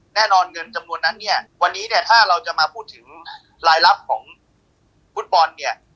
แน่นอนเงินจำนวนนั้นเนี่ยวันนี้เนี่ยถ้าเราจะมาพูดถึงรายลับของฟุตบอลเนี่ย